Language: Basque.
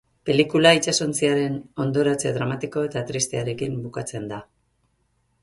Pelikula itsasontziaren hondoratze dramatiko eta tristearekin bukatzen da.